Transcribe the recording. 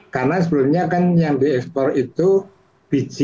karena sebelumnya kan yang diekspor itu biji